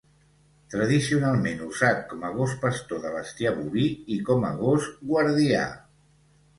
Tradicionalment usat com a gos pastor de bestiar boví i com a gos guardià.